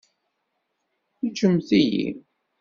Ǧǧemt-iyi!